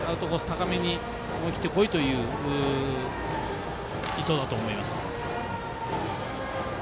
高めに思い切ってこいという意図だと思います。